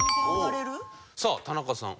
さあ田中さん